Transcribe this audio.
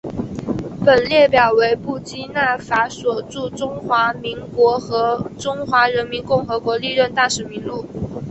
本列表为布基纳法索驻中华民国和中华人民共和国历任大使名录。